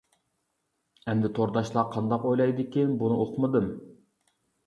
ئەمدى تورداشلار قانداق ئويلايدىكىن بۇنى ئۇقمىدىم.